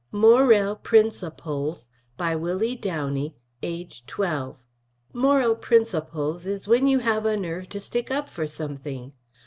MOREL PRINSAPLES BY WILLIE DOWNEY AGE 12 Morel Prinsaples is when you have a nerve to stick up for some thing.